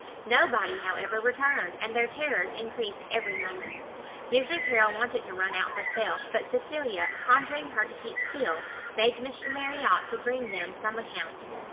Nobody, however, returned; and their terrors encreased every moment; Mrs Harrel wanted to run out herself, but Cecilia, conjuring her to keep still, begged Mr Marriot to bring them some account.